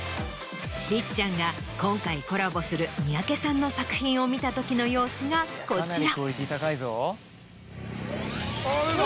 りっちゃんが今回コラボする三宅さんの作品を見た時の様子がこちら。